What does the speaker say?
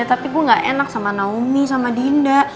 tapi gue gak enak sama naomi sama dinda